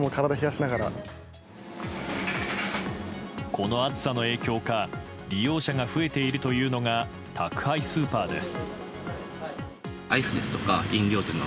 この暑さの影響か利用者が増えているというのが宅配スーパーです。